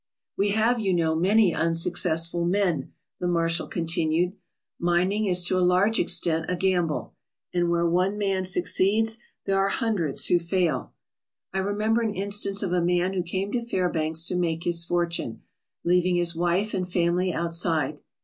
"We have, you know, many unsuccessful men/' the marshal continued. "Mining is to a large extent a gamble, and where one man succeeds there are hundreds who fail. I remember an instance of a man who came to Fairbanks to make his fortune, leaving his wife and family outside.